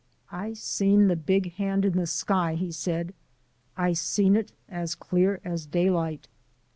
"I seen the big hand in the sky," he said, "I seen it as clear as daylight."